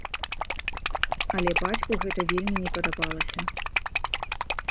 Але бацьку гэта вельмі не падабалася.